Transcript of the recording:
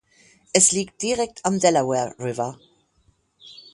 Es liegt direkt am Delaware River.